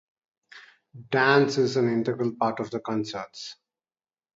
Dance is an integral part of the concerts.